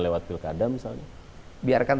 lewat pilkada misalnya biarkan